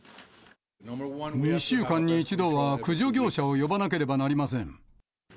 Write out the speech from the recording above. ２週間に１度は駆除業者を呼ばなければなりません。